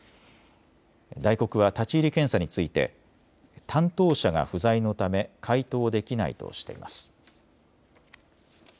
ダイコクは立ち入り検査について担当者が不在のため回答できないとしています。